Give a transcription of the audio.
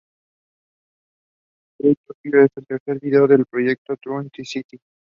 Thru Tokyo es el tercer vídeo del proyecto "Thru the City".